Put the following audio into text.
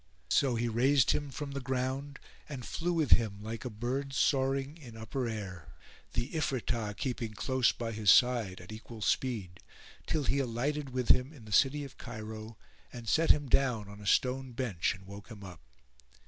So he raised him from the ground and flew with him like a bird soaring in upper air, the Ifritah keeping close by his side at equal speed, till he alighted with him in the city of Cairo and set him down on a stone bench and woke him up.